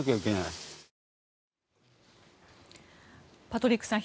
パトリックさん